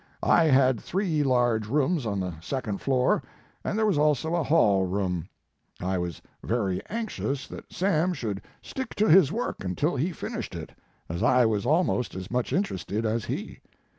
I had three large rooms on the second floor and there was also a hall room. I was very anxious that Sam His Life and Work. should stick to his work until he finished it, as I was almost as much interested as he.